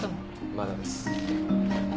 まだです。